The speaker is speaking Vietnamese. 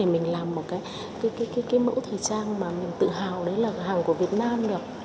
mình làm một cái mẫu thời trang mà mình tự hào đấy là hàng của việt nam được